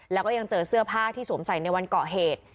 แล้วก็ยังเจอเสื้อผ้าที่สวมใส่ในวันเกาะเหตุ